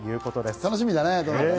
楽しみだね。